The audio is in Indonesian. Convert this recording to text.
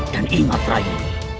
dan ingat rai